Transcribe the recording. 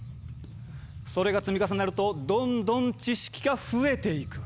それが積み重なるとどんどん知識が増えていく。